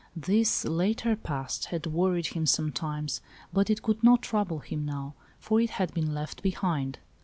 This later past had worried him sometimes, but it could not trouble him now, for it had been left behind.